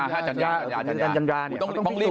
ต้องเรียกปรากฏเลยเนี่ย